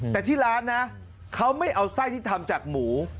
แต่ที่ร้านนะเขาไม่เอาไส้ที่ทำจากหมู